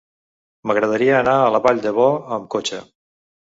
M'agradaria anar a la Vall d'Ebo amb cotxe.